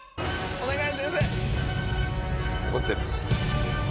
お願い。